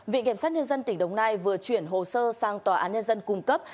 viện kiểm sát nhân dân tỉnh đồng nai vừa chuyển hồ sơ sang tòa án nhân dân cung cấp